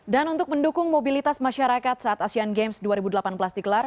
dan untuk mendukung mobilitas masyarakat saat asean games dua ribu delapan belas digelar